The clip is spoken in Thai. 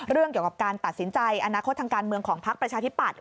เรื่องเกี่ยวกับการตัดสินใจอนาคตทางการเมืองของพักประชาธิปัตย